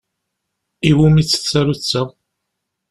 Iwumi-tt tsarutt-a?